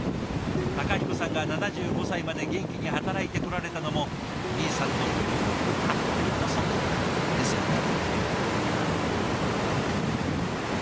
孝彦さんが７５歳まで元気に働いてこられたのもみえさんの協力あってこそですよね？